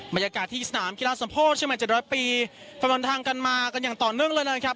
บรรยากาศที่สนามกีฬาสมโพธิเชียงใหม่๗๐๐ปีทะลนทางกันมากันอย่างต่อเนื่องเลยนะครับ